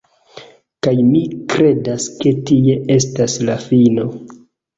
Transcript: Kaj mi kredas ke tie estas la fino